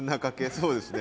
そうですね。